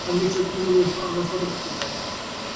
আমি নিশ্চয়ই মুক্ত পূর্ণস্বরূপ, আমার সকল শত্রুও তাই।